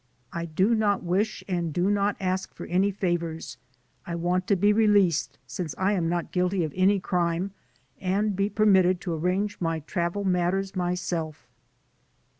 ... I do not wish and do not ask for any favors. I want to be released since I am not guilty of any crime and be permitted to arrange my travel matters myself."